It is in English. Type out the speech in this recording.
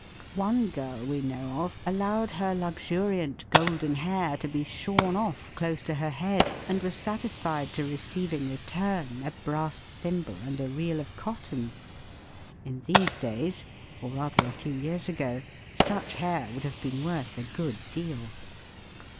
One girl we know of allowed her luxuriant golden hair to be shorn off close to her head, and was satisfied to receive in return a brass thimble and a reel of cotton ! In these days, or rather a few years ago such hair would have been worth a good deal.